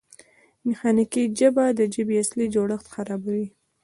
میخانیکي ژباړه د ژبې اصلي جوړښت خرابوي.